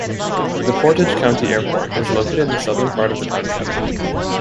The Portage County Airport is located in the southern part of the township.